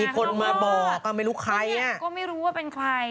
ต้องย่อหย่ออออออหนีก็ไม่รู้ว่าเป็นใคร